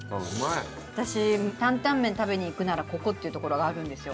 私担々麺食べに行くならここっていう所があるんですよ。